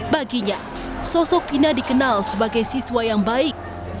baginya sosok fina dikenal sebagai siswa yang baik